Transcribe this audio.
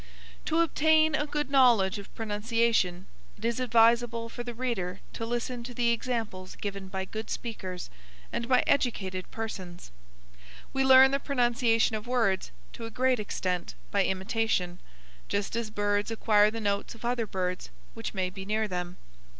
To obtain a good knowledge of pronunciation it is advisable for the reader to listen to the examples given by good speakers, and by educated persons. We learn the pronunciation of words, to a great extent, by imitation, just as birds acquire the notes of other birds which may be near them.